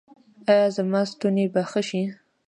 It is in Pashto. ایا زما ستونی به ښه شي؟